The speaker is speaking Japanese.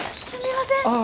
すみません。